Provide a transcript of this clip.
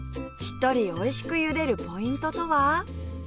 しっとりおいしくゆでるポイントとは？